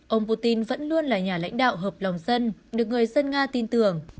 ông putin vẫn luôn là nhà lãnh đạo hợp lòng dân được người dân nga tin tưởng